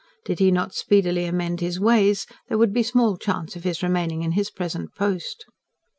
Did he not speedily amend his ways, there would be small chance of him remaining in his present post.